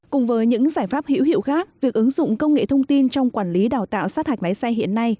cùng với những giải pháp hữu hiệu khác việc ứng dụng công nghệ thông tin trong quản lý đào tạo sát hạch lái xe hiện nay